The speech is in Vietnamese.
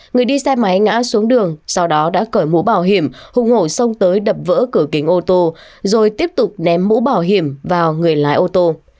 người đi xe máy ngã xuống đường sau đó đã cởi mũ bảo hiểm hùng hổ xông tới đập vỡ cửa kính ô tô rồi tiếp tục ném mũ bảo hiểm vào người lái ô tô